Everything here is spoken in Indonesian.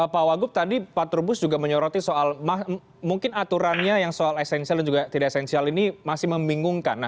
pak wagub tadi pak trubus juga menyoroti soal mungkin aturannya yang soal esensial dan juga tidak esensial ini masih membingungkan